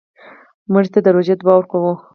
مړه ته د روژې دعا ورکوو